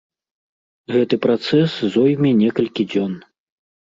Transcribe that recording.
Гэты працэс зойме некалькі дзён.